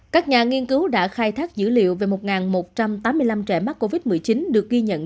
các nhà nghiên cứu đã khai thác dữ liệu về một một trăm tám mươi năm trẻ mắc covid một mươi chín được ghi nhận